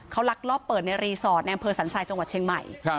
เขาลักลอบเปิดในรีสอร์ทในอำเภอสันทรายจังหวัดเชียงใหม่